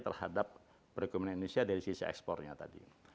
terhadap perekonomian indonesia dari sisi ekspornya tadi